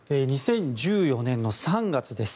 ２０１４年の３月です。